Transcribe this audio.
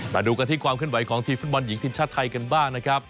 มาดูกันที่ความเคลื่อนไหวของทีมฟุตบอลหญิงทีมชาติไทยกันบ้างนะครับ